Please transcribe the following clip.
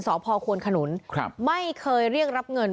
สพควนขนุนไม่เคยเรียกรับเงิน